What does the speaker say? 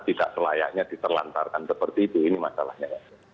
tidak selayaknya ditelantarkan seperti itu ini masalahnya